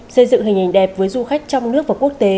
xây dựng hình ảnh đẹp với du khách trong nước và quốc tế